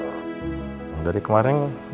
dari kemarin aku gak bisa kemana mana